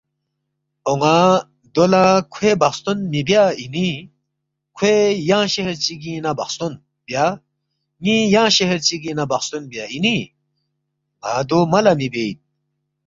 ”اون٘ا دو لہ کھوے بخستون مِہ بیا اِنی، کھوے ینگ شہر چِگِنگ نہ بخستون بیا ن٘ی ینگ شہر چِگِنگ نہ بخستون بیا اِنی؟ ن٘ا دو ملا مِہ بے اِن